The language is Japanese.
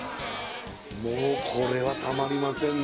もうこれはたまりませんね